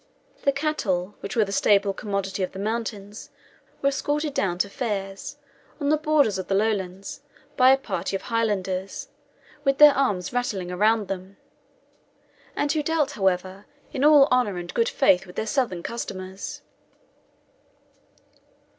The cattle, which were the staple commodity of the mountains, were escorted down to fairs, on the borders of the Lowlands, by a party of Highlanders, with their arms rattling around them; and who dealt, however, in all honour and good faith with their Southern customers.